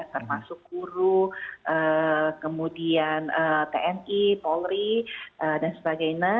termasuk guru kemudian tni polri dan sebagainya